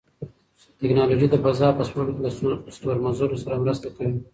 تکنالوژي د فضا په سپړلو کې له ستورمزلو سره مرسته کوي.